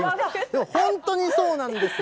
でも本当にそうなんです。